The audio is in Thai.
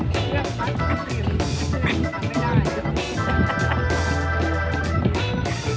เชื่อบนบัตรไม่ได้